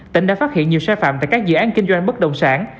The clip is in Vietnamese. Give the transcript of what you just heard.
tỉnh đã phát hiện nhiều sai phạm tại các dự án kinh doanh bất đồng sản